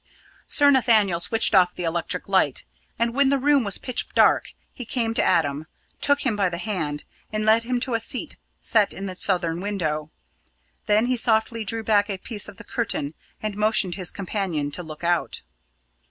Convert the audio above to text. Sir Nathaniel switched off the electric light, and when the room was pitch dark, he came to Adam, took him by the hand, and led him to a seat set in the southern window. Then he softly drew back a piece of the curtain and motioned his companion to look out.